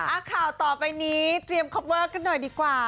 อ่ะข่าวต่อไปนี้เตรียมคอปเวอร์กันหน่อยดีกว่า